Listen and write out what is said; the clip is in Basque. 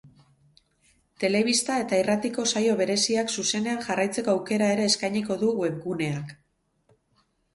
Telebista eta irratiko saio bereziak zuzenean jarraitzeko aukera ere eskainiko du webguneak.